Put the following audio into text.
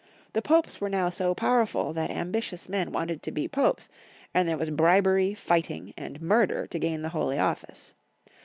The Popes were now so powerful that ambitious men wanted to be Popes, and there was bribery, fighting, and murder to gain the holy office.